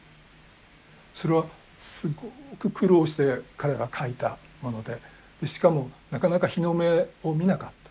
それはすごく苦労して彼が書いたものでしかもなかなか日の目を見なかった。